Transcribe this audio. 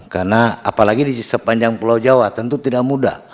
karena apalagi di sepanjang pulau jawa tentu tidak mudah